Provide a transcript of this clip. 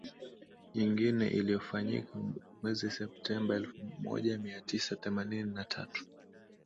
nyingine iliyofanyika mwezi septemba elfumoja miatisa themanini na tatu